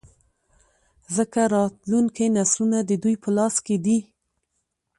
ځـکـه راتـلونکي نـسلونه د دوي پـه لاس کـې دي.